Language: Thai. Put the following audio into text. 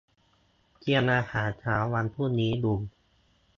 เตรียมอาหารเช้าวันพรุ่งนี้อยู่